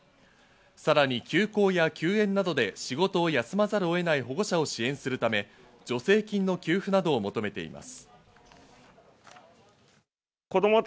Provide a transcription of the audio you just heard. さらに休校や休園などで、仕事を休まざるを得ない保護者を支援するため、助成金の給付などを求めています。